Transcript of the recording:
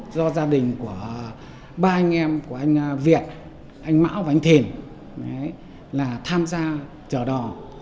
do gia đình của ba anh em của anh việt anh mão và anh thỉn là tham gia chờ đò